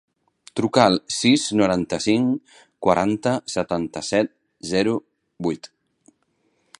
Truca al sis, noranta-cinc, quaranta, setanta-set, zero, vuit.